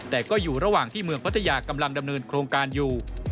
แต่ก็อยู่ระหว่างที่เมืองพัทยากำลังดำเนินโครงการอยู่